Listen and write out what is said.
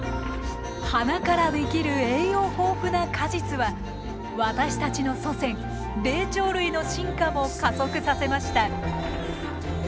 花から出来る栄養豊富な果実は私たちの祖先霊長類の進化も加速させました。